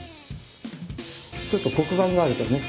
ちょっと黒板があるとね。